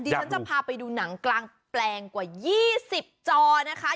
ฉันจะพาไปดูหนังกลางแปลงกว่า๒๐จอนะคะ